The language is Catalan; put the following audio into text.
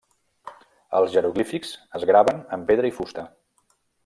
Els jeroglífics es graven en pedra i fusta.